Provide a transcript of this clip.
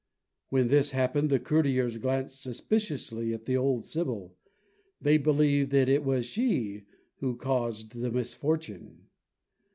When this happened, the courtiers glanced suspiciously at the old sibyl. They believed that it was she who caused the misfortune.